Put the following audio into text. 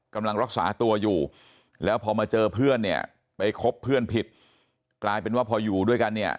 กำลังรักษาตัวอยู่แล้วพอมาเจอเพื่อนเนี่ยไปคบเพื่อนผิดกลายเป็นว่าพออยู่ด้วยกันเนี่ย